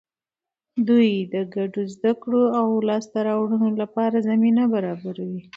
دوی د ګډو زده کړو او لاسته راوړنو لپاره زمینه برابروي.